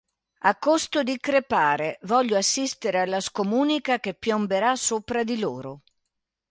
A costo di crepare: voglio assistere alla scomunica che piomberà sopra di loro.